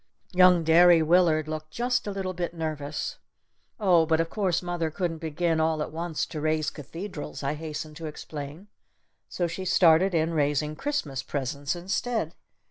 Young Derry Willard looked just a little bit nervous. "Oh, but of course mother couldn't begin all at once to raise cathedrals!" I hastened to explain. "So she started in raising Christmas presents instead.